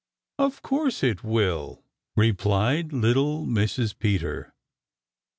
"Of course it will," replied little Mrs. Peter.